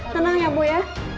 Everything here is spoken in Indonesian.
tenang ya bu ya